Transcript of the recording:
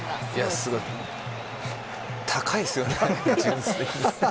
すごいですよね。